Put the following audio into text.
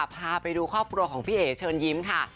พาไปดูครอบครัวของพี่เอ๋เชิญยิ้มค่ะ